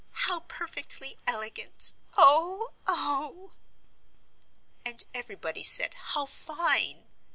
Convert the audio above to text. How perfectly elegant! oh, oh!" And everybody said, "How fine!"